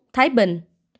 bốn thái bình